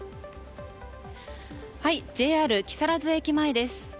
ＪＲ木更津駅前です。